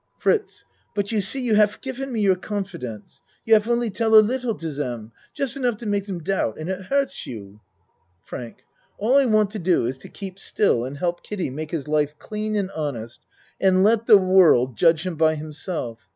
FRITZ But you see you haf gifen me your con fidence. You haf only tell a little to dem just enough to make dem doubt and it hurts you. FRANK All I want to do is to keep still and help Kiddie make his life clean and honest, and then let the world judge him by himself.